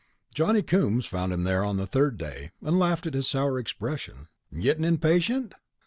Johnny Coombs found him there on the third day, and laughed at his sour expression. "Gettin' impatient?"